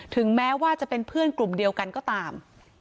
ถึงแม้ว่าจะเป็นเพื่อนกลุ่มเดียวกันก็ตาม